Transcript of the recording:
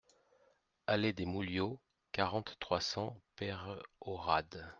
Allée des Mouliots, quarante, trois cents Peyrehorade